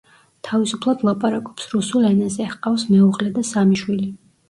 თავისუფლად ლაპარაკობს რუსულ ენაზე, ჰყავს მეუღლე და სამი შვილი.